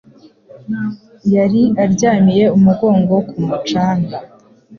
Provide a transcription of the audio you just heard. Yari aryamiye umugongo ku mucanga.